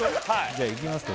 じゃいきますか